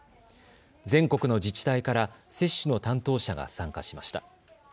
全国の自治体から接種の担当者が参加しました。